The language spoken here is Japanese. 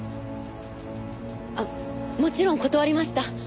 あっもちろん断りました。